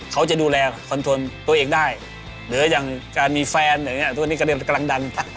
เขาจะดูแลคอนโทรตัวเองได้หรืออย่างการมีแฟนอย่างนี้ทุกวันนี้กำลังดัน